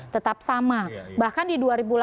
tetap sama bahkan di